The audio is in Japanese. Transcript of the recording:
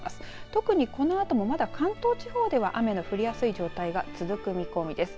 特に、このあと関東地方では雨の降りやすい状態が続く見込みです。